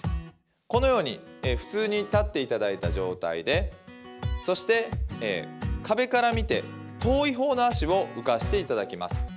このように普通に立っていただいた状態でそして、壁から見て遠い方の足を浮かせていただきます。